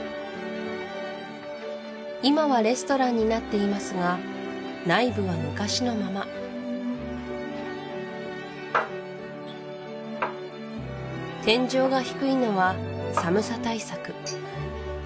今はレストランになっていますが内部は昔のまま天井が低いのは寒さ対策